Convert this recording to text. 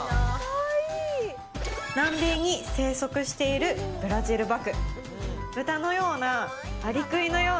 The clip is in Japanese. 南米に生息しているブラジルバク